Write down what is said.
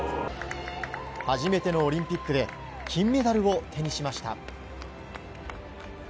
初めてのオリンピックで、金メダルを手にしました。